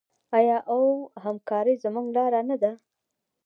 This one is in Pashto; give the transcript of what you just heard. آیا او همکاري زموږ لاره نه ده؟